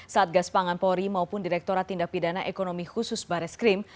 saat gas pangan pori maupun direkturat tindak pidana ekonomi khusus bareskrim